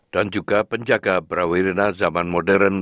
dan juga penjaga brawirina zaman modern